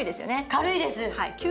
軽いです。